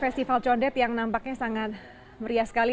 si val condet yang nampaknya sangat meriah sekali